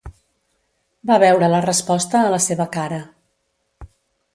Va veure la resposta a la seva cara.